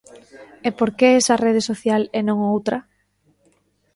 E por que esa rede social e non outra?